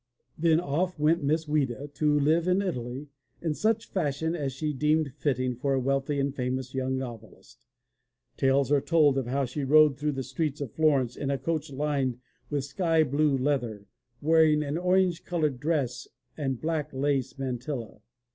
Then off went Miss Ouida to live in Italy in such fashion as she deemed fitting for a wealthy and famous young novelist. Tales are told of how she rode through the streets of Florence in a coach lined with sky blue leather, wearing an orange colored dress and black lace mantilla.